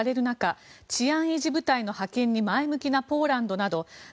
中治安維持部隊の派遣に前向きなポーランドなど